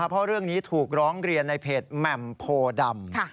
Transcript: เพราะเรื่องนี้ถูกร้องเรียนในเพจแหม่มโพดำ